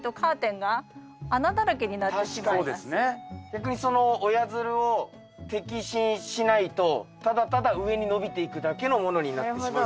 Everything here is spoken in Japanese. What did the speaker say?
逆にその親づるを摘心しないとただただ上に伸びていくだけのものになってしまうと。